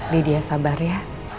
lidia sabar ya